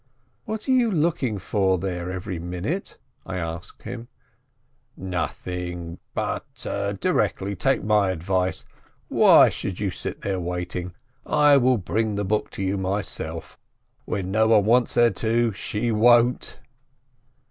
"What are you looking for there every minute?" I ask him. "Nothing. But directly — Take my advice : why should you sit there waiting? I will bring the book to you myself. When one wants her to, she won't